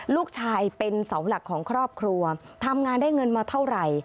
ลูกชายเป็นเสาหลักของครอบครัวทำงานได้เงินมาเท่าไหร่